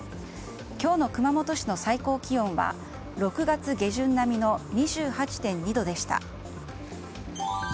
今日の熊本市の最高気温は６月下旬並みの２８．２度でした。